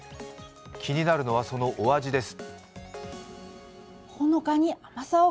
気になるのは、そのお味です。